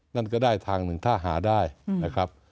นั่นก็ได้ทางหนึ่งถ้าหาได้นะครับ